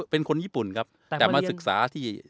เป็นคนญี่ปุ่นครับแต่มาศึกษาที่